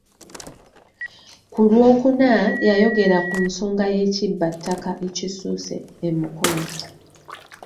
Ku lwokuna yayogera ku nsonga y’ekibbattaka ekisusse e Mukono.